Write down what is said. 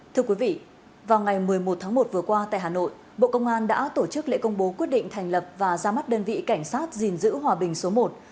thưa quý vị vào ngày một mươi một tháng một vừa qua tại hà nội bộ công an đã tổ chức lễ công bố quyết định thành lập và ra mắt đơn vị cảnh sát gìn giữ hòa bình số một